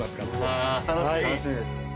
あ楽しみです。